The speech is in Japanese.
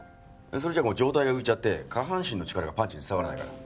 それじゃ上体が浮いちゃって下半身の力がパンチに伝わらないから。